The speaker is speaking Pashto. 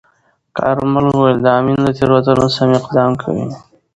کارمل وویل، د امین له تیروتنو سم اقدام کوي.